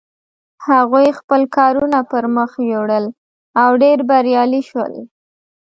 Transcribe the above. هغوی خپل کارونه پر مخ یوړل او ډېر بریالي شول.